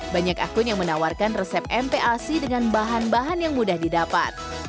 banyak akun yang menawarkan resep mpac dengan bahan bahan yang mudah didapat